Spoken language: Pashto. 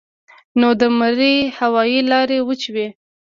نو د مرۍ هوائي لارې وچې وي